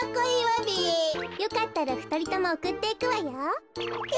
よかったらふたりともおくっていくわよ。